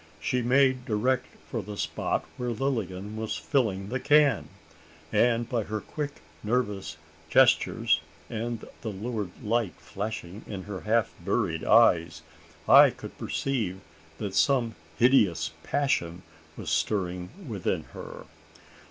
She made direct for the spot where Lilian was filling the can; and by her quick, nervous gestures, and the lurid light flashing in her half buried eyes, I could perceive that some hideous passion was stirring within her.